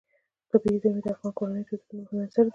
طبیعي زیرمې د افغان کورنیو د دودونو مهم عنصر دی.